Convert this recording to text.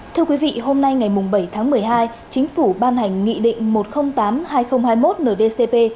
thưa quý vị hôm nay ngày bảy tháng một mươi hai chính phủ ban hành nghị định một trăm linh tám hai nghìn hai mươi một ndcp